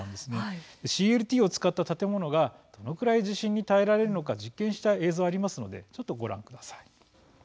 ＣＬＴを使った建物がどのくらい地震に耐えられるのか実験した映像がありますのでちょっとご覧ください。